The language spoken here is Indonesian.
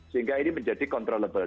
sehingga ini menjadi controllable